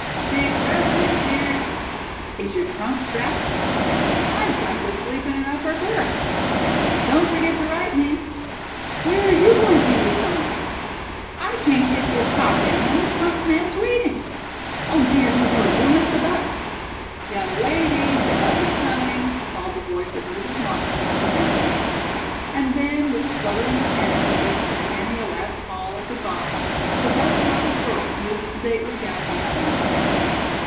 "The expressman's here!" "Is your trunk strapped?" "I've got to sleep in an upper berth." "Don't forget to write me." "Where are you to be this summer?" "I can't get this top down and the trunk man's waiting!" "Oh, dear, do hurry! We'll miss the bus!" "Young ladies, the bus is coming," called the voice of Mrs. Markham from the front door. And then, with a fluttering of handkerchiefs and many a last call of "good bye," the bus load of girls moved sedately down the avenue.